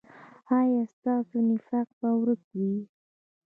ایا ستاسو نفاق به ورک وي؟